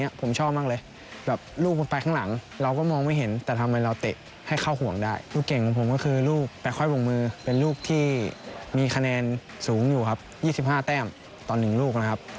อยากเป็นลูกแปลค่อยห่วงมือเป็นลูกที่มีคะแนนสูงอยู่ครับ๒๕แต้มต่อ๑ลูกนะครับ